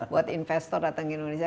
buat investor datang ke indonesia